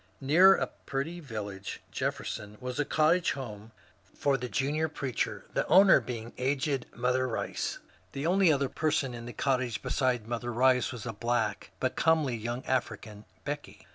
Near a pretty vil lage (Jefferson) was a cottage home for the junior preacher, the owner being aged ^^ Mother Rice." The only other person A PLEA FOR PEACE 116 in the cottage besides Mother Bice was a black but comely " young African, ^* Becky."